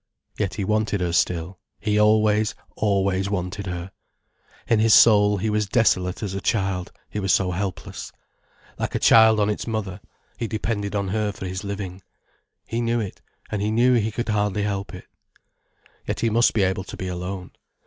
Yet he wanted her still, he always, always wanted her. In his soul, he was desolate as a child, he was so helpless. Like a child on its mother, he depended on her for his living. He knew it, and he knew he could hardly help it. Yet he must be able to be alone.